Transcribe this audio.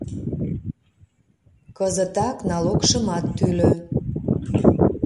Кызытак налогшымат тӱлӧ.